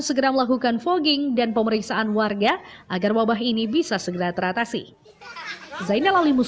segera melakukan fogging dan pemeriksaan warga agar wabah ini bisa segera teratasi zainal